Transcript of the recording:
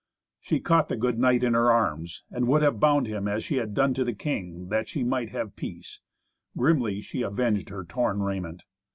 She caught the good knight in her arms, and would have bound him as she had done to the king, that she might have peace. Grimly she avenged her torn raiment.